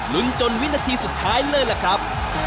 จนวินาทีสุดท้ายเลยล่ะครับ